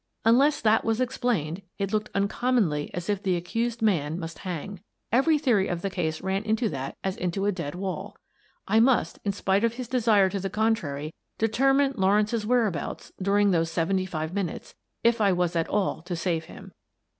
Unless that was explained, it looked uncom monly as if the accused man must hang. Every theory of the case ran into that as into a dead wall. I must, in spite of his desire to the contrary, deter mine Lawrence's whereabouts during those seventy five minutes, if I was at all to save him.